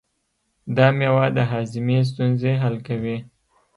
دا مېوه د هاضمې ستونزې حل کوي.